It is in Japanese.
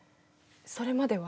それまでは？